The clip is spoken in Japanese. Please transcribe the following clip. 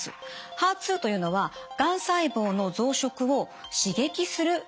ＨＥＲ２というのはがん細胞の増殖を刺激する物質です。